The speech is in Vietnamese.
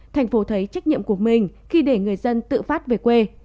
thành phố thấy trách nhiệm của mình khi để người dân tự phát về quê